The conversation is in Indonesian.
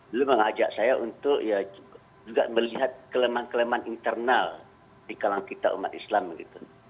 dulu mengajak saya untuk ya juga melihat kelemahan kelemahan internal di kalangan kita umat islam begitu